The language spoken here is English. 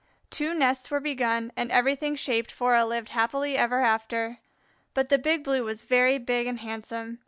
Two nests were begun and everything shaped for a "lived happily ever after." But the Big Blue was very big and handsome.